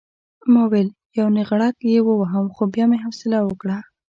ما ویل یو نېغړک یې ووهم خو بیا مې حوصله وکړه.